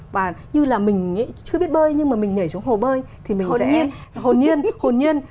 và như là mình chưa biết bơi nhưng mà mình nhảy xuống hồ bơi thì mình sẽ hồn nhiên hồn nhiên